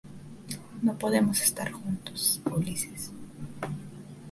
no podemos estar juntos, Ulises